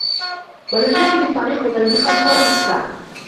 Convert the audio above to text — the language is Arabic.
وَلَمْ يَكُنْ الطَّرِيقُ ضَيِّقًا فَأُوَسِّعُ